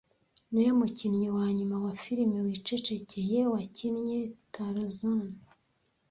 niwe mukinnyi wa nyuma wa firime wicecekeye wakinnye Tarzan